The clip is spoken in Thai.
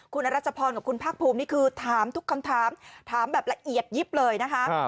คุณอรัชพรกับคุณภาคภูมินี่คือถามทุกคำถามถามแบบละเอียดยิบเลยนะคะ